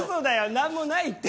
何もないって。